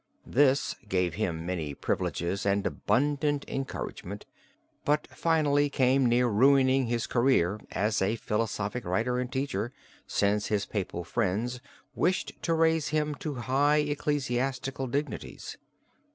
This gave him many privileges and abundant encouragement, but finally came near ruining his career as a philosophic writer and teacher, since his papal friends wished to raise him to high ecclesiastical dignities.